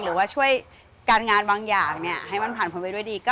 หรือช่วยการงานบางอย่างให้ผนไว้ด้วยดี